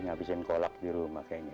ngabisin kolak di rumah kayaknya